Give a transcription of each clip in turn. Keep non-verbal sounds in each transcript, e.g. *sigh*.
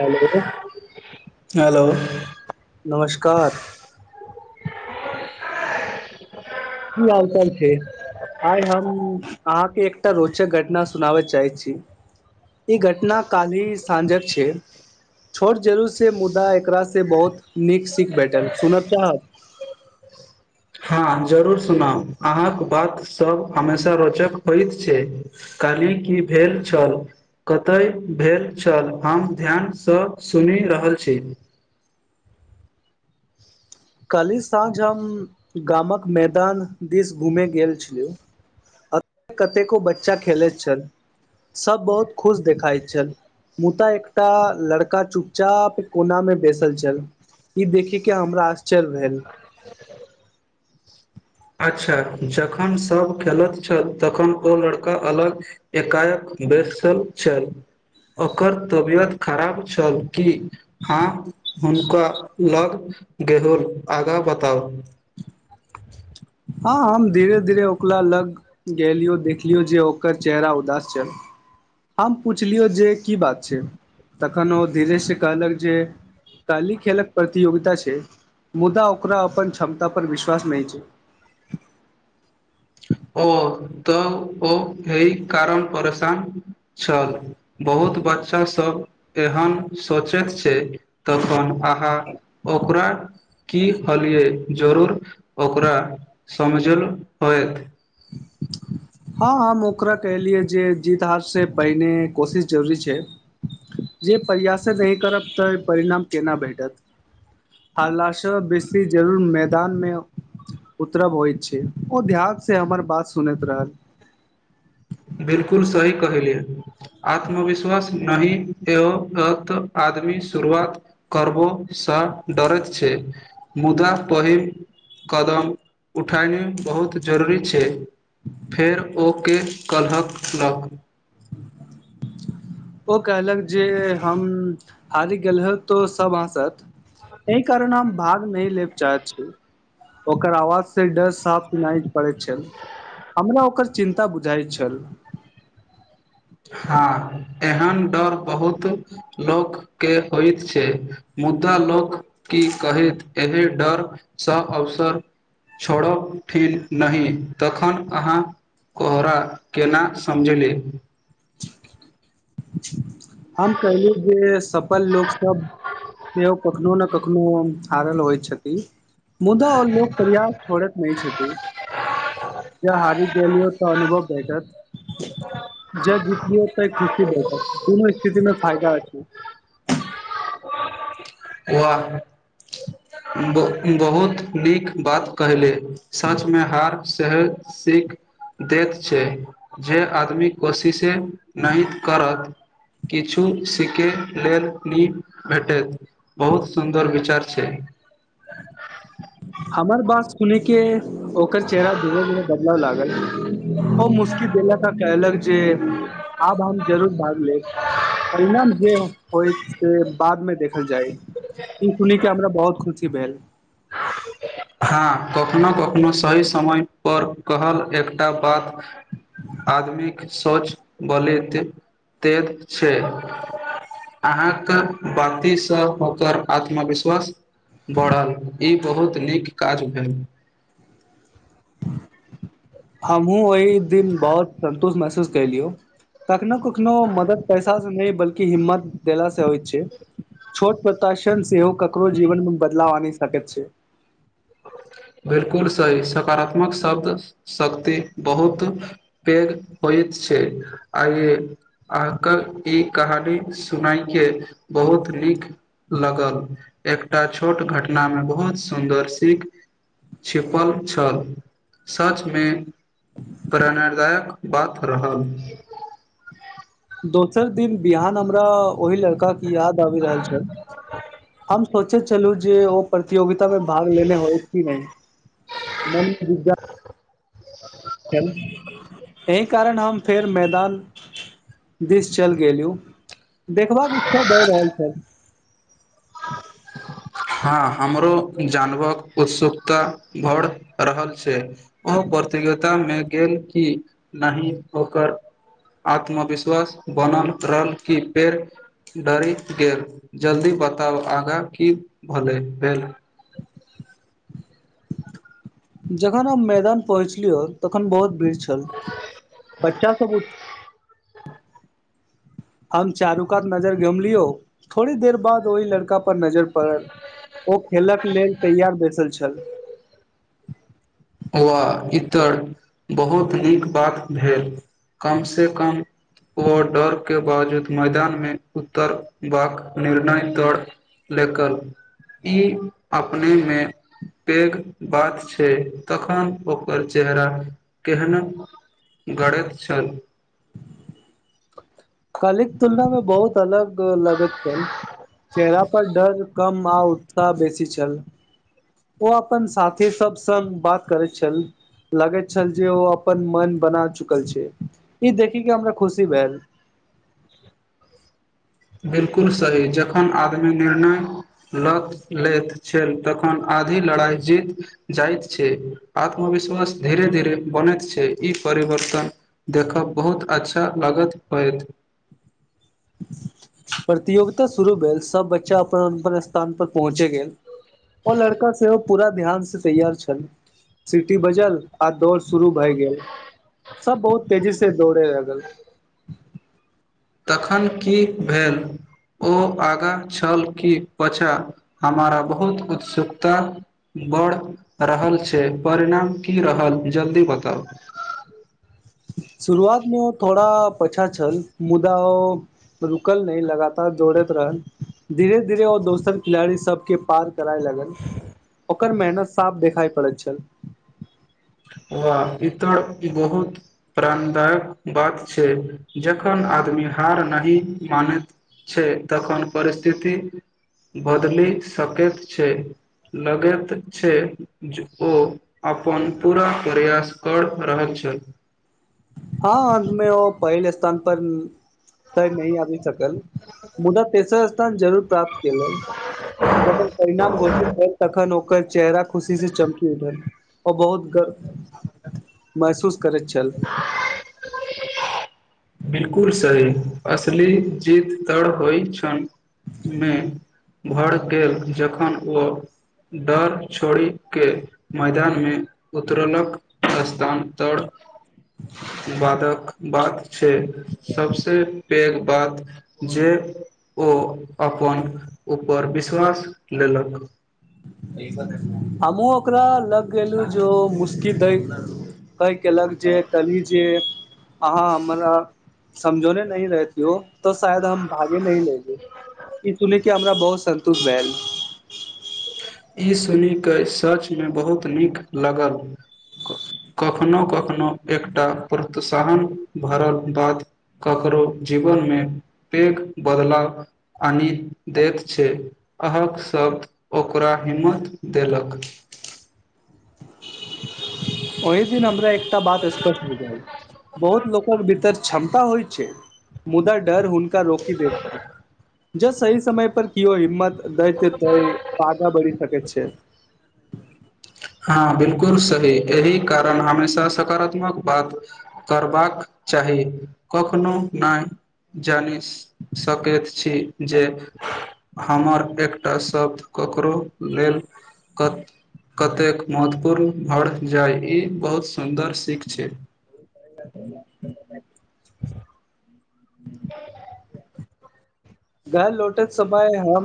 Hello hello नमस्कार की हालचाल छै। आइ हम अहाँके एक टा रोचक घटना सुनाबय चाहै छी। ई घटना कालहि साँझक छै। छोट जरूर से मुदा एकरा से बहुत नीक सीख भेटल सुनब चाहब हँ जरूर सुनाउ अहाँक बात सभ हमेशा रोचक होइत छै। काल्हि की भेल छल कतय भेल छल हम ध्यानसँ सुनि रहल छी। काल्हि साँझ हम गामक मैदान दिस घूमे गेल छलियु कतेको बच्चा खेलैत छल सब बहुत खुश देखाइत छल मुदा एकटा लड़का चुपचाप कोना मे बसल छल ई देखे के हमरा आश चल भेल अच्छा जखन सभ खेलैत छल। तखन ओ लड़का अलग एकाएक बैसल छल। हँ हम धीरे धीरे ओकला लग गेलियो देखलियौ जे ओकर चेहरा उदास छै हम पुछलियौ जे की बात छै तखन ओ धीरे से कहलक जे काल्हि खेलक प्रतियोगिता छै मुदा ओकरा अपन क्षमता पर विश्वास नहि छै ओ तऽ ओ एहि कारण परेशान छल बहुत बच्चा सभ एहन सोचैत छै तखन अहाँ ओकरा की कहलियै जरूर ओकरा समझैल होएत हँ हम ओकरा कहलियै जे जीत हार सँ पहिने कोशिश जरूरी छै जे प्रयासे नहि करब तऽ परिणाम केना भेटत हालात सँ बेसी जरूरी मैदानमे उतरब होइत छै ओ ध्यान सँ सँ हमर बात सुनैत रहल बिलकुल सही कहलिय आत्मविश्वास नहि ऐत तऽ आदमी शुरुआत करबोसँ डरैत छै मुदा पहिल कदम उठानी बहुत जरूरी छै फेर ओके कहलक ओ कहलक जे हम हारि गेल होएब तऽ सभ हँसत एहि कारण हम भाग नहि लैत चाहैत छी ओकर आवाज सँ डर साफ सुनाइ पड़ैत छल हमरा ओकर चिन्ता बुझाइत छल हँ एहन डर बहुत लोककेँ होइत छै मुदा लोक की कहैत एहि डरसँ अवसर छोड़ब ठीक नही तखन अहाँ कोहरा कोना समझेलीयै *inaudible* हम कहलियै जे सफल लोक सभ सेहो कखनो न कखनो हारल होइत छथिन मुदा आओ लोक प्रयास छोड़ैत नहि छथिन जँ हारि गेलियै तऽ अनुभव भेटत जँ भेटत तीनो एके चीजमे फायदा अछि *unintelligible* वाह बहुत नीक बात कहलियै सचमे हार सैह सीख दैत छै जँ आदमी कोशिशे नहि करत किछु सीखे लेल नहि भेटत बहुत सुन्दर विचार छै हमर बात सुुनिकेँ ओकर चेहरा धीरे धीरे बदलैय लागल ओ मुस की देलक आ कहलक जे आब हम जरूर भाग लेब अहिना जे होइत से बादमे देखल जायत ई सुनिकेँ हमरा बहुत ख़ुशी भेल हँ कखनो कखनो सही समय पर कहल एकटा बात आदमीकेँ सोच बलित दैत छै अहाँक बातीसँ ओकर आत्मविश्वास बढ़ल ई बहुत नीक काज भेल हमहुँ ओहि दिन बहुत संन्तोष महसूस कएलियौ कखनो कखनो मत पैसा सँ नहि बल्कि। हिम्मत देला सँ होइत छै छोट प्रदर्शन सेहो ककरो जीवनमे बदलाव आनि सकैत छै बिलकुल सही सकारात्मक शब्द शक्ति बहुत पैघ होइत छै आइये अहाँके ई कहानी सुनायके बहुत नीक लागल एकटा छोट घटनामे बहुत सुन्दर सीख छिपल छल सचमे प्रेरणादायक बात रहल दोसर दिन बिहान हमरा ओहि लड़काकेँ याद आबि रहल छल हम सोचैत छलि जे ओ प्रतियोगित ता भाग लेने होयत की नहि मनमे जिज्ञ ह *inaudible* एहि कारण हम फेर मैदान दिस चलि गेलहुँ देखबाक इच्छा भए रहल छल हँ हमरो जानवक उत्सुकता भढ़ रहल छै ओ प्रतियोगिता मे गेल क नहि ओकर आत्मविश्वास बनल रहल कि पेड़ डरि गेल जल्दी बताउ आगा क होलय भेल जखन हम मैदान पहुँचलिय तखन बहुत भिड छल बच्चास सबूत हम चारु कात नजर गमलियो थोड़ी देर बाद ओहि लड़का पर नजर पड़ल ओ खेलक लेल तैयार बैसल छल वा इतर बहुत नीक बात भेल कम से कम ओ डर के बावजूद मैदान मे उतरबाक निर्णय र लकल ई अपने मे पैघ बात छै तखन ओकर चेहरा केहन गड़ैत छल कलिक तुलना मे बहुत अलग लगैत छल चेहरा पर डर कम आ उत्साह बेसी छल ओ अपन साथी सब सग बात करैत छल लगैत छल जे ओ अपन मन बना चुकल छै ई देखिक के हमरा खुशी भेल बिलकुल सही जखन आदमी निर्णय ल लैत छल तखन आधी लड़ाई जीत जाइत छै आत्मविश्वास धीरे धीरे बनैत छै ई परिवर्तन देखब बहुत अच्छा लागत होएत प्रतियोगिता शुरू भेल सब बच्चा अपन अपन स्थान पर पहुँचे गेल ओ लड़का सेहो पूरा ध्यान से तैयार छल सिटी बजल आ दौड़ शुरू भए गेल सब बहुत तेजी दौड़े लागल तखन की भेल ओ आगाँ छल कि पचा हमारा बहुत उत्सुकता बढ़ रहल छै परिणाम की रहल जल्दी बताउ शुरुआत मे ओ थोड़ा पछा छल मुदा ओ रुकल नहि लगातार दोड़ैत रहल धीरे धीरे ओ दोसर खिलाड़ी सबके पार करय लगल ओकर मेहनत साफ देखाई पड़ैत छल व इतर बहुत प्राणदायक बात छै जखन आदमी हार नहि मानैत छै तखन परिस्थिति बदलि सकैत छै लगैत छै जे ओ अपन पूरा प्रयास कर रहल छल हँ अन्तमे ओ पहिल स्थान पर तय नहि आबी सकल मुदा तेसर स्थान जरूर प्राप्त कयलक जखन परिणाम घोषित भेल तखन ओकर चेहरा खुशी से चमकी उठल आ बहुत गर्व महसूस करैत छल बिलकुल सही असली जीत तड़ होइ क मे भर गेल जखन ओ डर छोड़िक के मैदान मे उतरलक स्थान तर बादक बाद सबसे सँ पैघ बात जे ओ अपन ऊपर विश्वास लेलक हमहुँ ओकरा लग गेलू जे मुस्की द कहि केलक जे कहली जे अहाँ हमरा समझौने नहि रहतौ त शायद हम भागे न लेगे ई सुने के हमरा बहुत सन्तोष भेल ई सुनिक सच मे बहुत नीक लगल कखनो कखनो एकटा प्रोत्साहन भरल बात ककरो जीवन मे पैघ बदलाव आनि दैत छै अह शबद ओकरा हिम्मत देलक ओहि दिन हमरा एकटा बात स्पष्ट हो जाइ बहुत लोकक भीतर क्षमता होइ छै मुदा डर हुनका रोकी देै जब सही समय पर कीयो हिम्मत दैत दइ आगा बढ़ि सकैत छै हँ बिलकुल सही एहि कारण हमेशा सकारात्मक बात करबाक चाही कखनो नहि जानि सकैत छी जे हमर एकटा शब्द ककरो लेल क कतेक महत्वपूर्ण घर जाय ई बहुत सुन्दर सीख छै घर लौटैत समय हम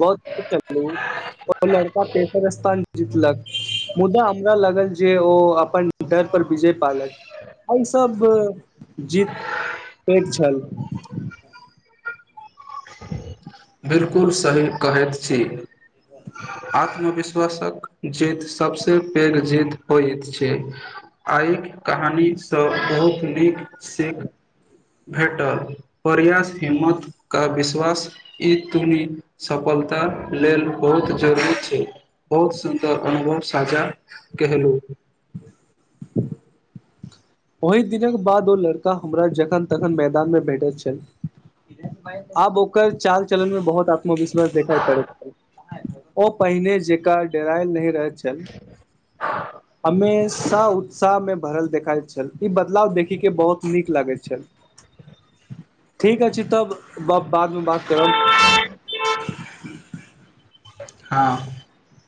बहुतर चललहु ओ लड़का तेसर स्थान जीतलक मुदा हमरा लागल जे ओ अपन डर पर विजय पालक एहि सब खूब जीत पैघ छल *inaudible* बिलकुल सही कहैत छी आत्मविश ्वासक जीत सबसे पैघ जीत होइत छै आइक कहानीसँ बहुत नीक सीख भेटल प्रयास हिम्मत क विश्वास ई तुनि सफलता लेल बहुत जरूरी छै बहुत सुन्दर अनुभव साझा केहलु *inaudible* ओहि दिनक बाद ओ लड़का हमरा जखन तखन मैदानमे भेटैथ छल आब ओक ओकर चाल चलनमे बहुत आत्मविश्वास देखाई पड़ै छल ओ पहिने जेकां डेरायल नहि रहैत छल उत्सा उत्साहमे भरल देखइत छल ई बदलाव देखी के बहुत नीक लागैत छल ठीक अछि तब ब बादमे बात करब हँ